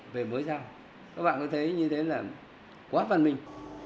về mớ rau các bạn có thấy như thế là quá văn minh